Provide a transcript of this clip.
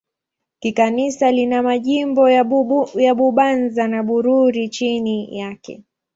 Kikanisa lina majimbo ya Bubanza na Bururi chini yake.